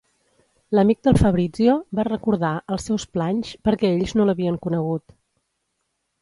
L'amic del Fabrizio va recordar els seus planys, perquè ells no l'havien conegut.